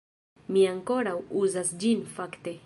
Mi ankoraŭ uzas ĝin fakte